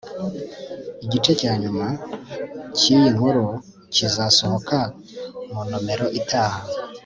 igice cya nyuma cyiyi nkuru kizasohoka mu nomero itaha